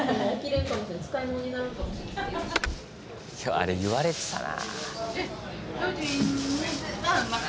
あれ言われてたな。